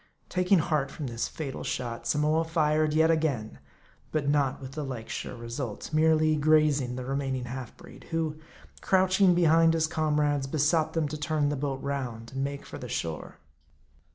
Taking heart from this fatal shot, Samoa fired yet again ; but not with the like sure result ; merely grazing the re maining half breed, who, crouching behind his comrades, besought them to turn the boat round, and make for the shore.